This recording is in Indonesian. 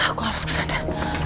aku harus kesana